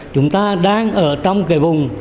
chúng ta đang ở trong cái vùng